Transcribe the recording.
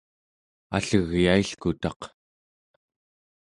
allegyailkutaq